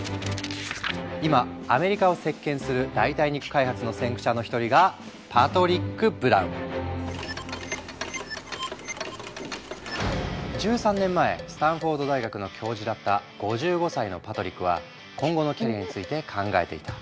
今アメリカを席巻する代替肉開発の先駆者の一人が１３年前スタンフォード大学の教授だった５５歳のパトリックは今後のキャリアについて考えていた。